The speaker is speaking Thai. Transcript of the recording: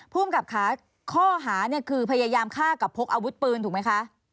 ภูมิกับค่ะข้อหาเนี่ยคือพยายามฆ่ากับพกอาวุธปืนถูกไหมคะ